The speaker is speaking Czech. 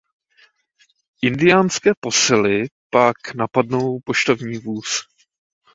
Indiánské posily pak napadnou poštovní vůz.